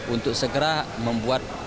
untuk segera membuat pertimbangan